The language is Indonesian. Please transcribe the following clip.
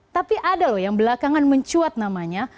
tapi ada loh yang belakangan mencuat namanya